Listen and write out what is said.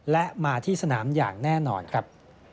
และมาที่สนามอย่างแน่นอนครับ